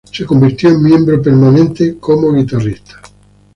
Se convirtió en miembro permanente como guitarrista.